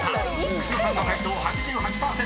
［久代さんの解答８８％。